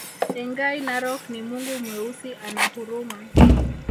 Engai Narok ni mungu Mweusi ana huruma